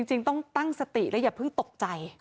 จริงต้องตั้งสติและอย่าเพิ่งตกใจ